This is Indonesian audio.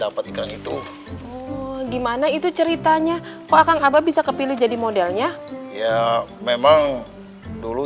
dapat ikan itu gimana itu ceritanya kok akan apa bisa kepilih jadi modelnya ya memang dulu